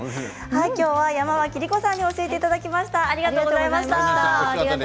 今日は山脇りこさんに教えていただきました。